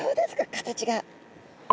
形が。